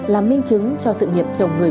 làm minh chứng cho sự nghiệp chồng người